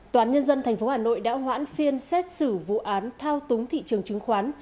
tòa án nhân dân tp hà nội đã hoãn phiên xét xử vụ án thao túng thị trường chứng khoán